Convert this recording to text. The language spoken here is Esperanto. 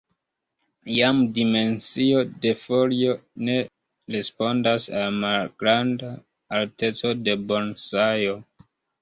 Iam dimensio de folio ne respondas al malgranda alteco de bonsajo.